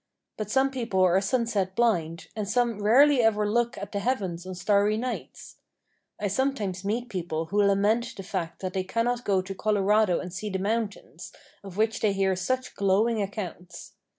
But some people are sunset blind, and some rarely ever look at the heavens on starry nights. I sometimes meet people who lament the fact that they cannot go to Colorado and see the mountains, of which they hear such glowing accounts.